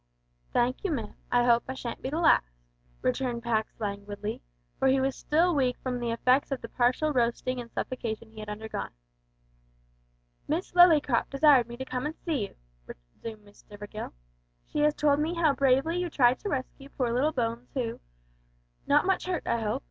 "Thank you, ma'am. I hope I shan't be the last," returned Pax languidly, for he was still weak from the effects of the partial roasting and suffocation he had undergone. "Miss Lillycrop desired me to come and see you," resumed Miss Stivergill. "She has told me how bravely you tried to rescue poor little Bones, who " "Not much hurt, I hope?"